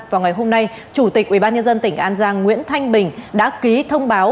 vào ngày hôm nay chủ tịch ubnd tỉnh an giang nguyễn thanh bình đã ký thông báo